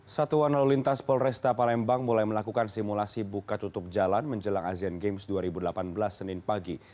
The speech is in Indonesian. satuan lalu lintas polresta palembang mulai melakukan simulasi buka tutup jalan menjelang asean games dua ribu delapan belas senin pagi